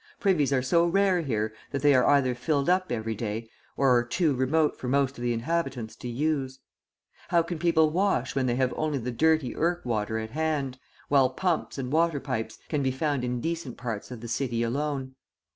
Privies are so rare here that they are either filled up every day, or are too remote for most of the inhabitants to use. How can people wash when they have only the dirty Irk water at hand, while pumps and water pipes can be found in decent parts of the city alone?